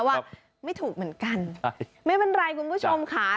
ว่าไม่ถูกเหมือนกันไม่เป็นไรคุณผู้ชมค่ะ